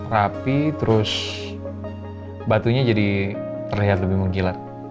rapi terus batunya jadi terlihat lebih menggila